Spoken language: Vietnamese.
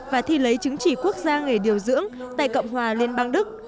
và thi lấy chứng chỉ quốc gia nghề điều dưỡng tại cộng hòa liên bang đức